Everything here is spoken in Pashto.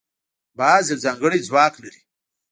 باز یو ځانګړی ځواک لري